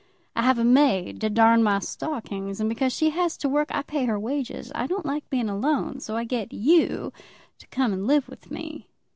I have a maid to darn my stockings, and because she has to work, I pay her wages. I don't like being alone, so I get you to come and live with me.